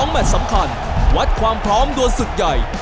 แมทสำคัญวัดความพร้อมโดยศึกใหญ่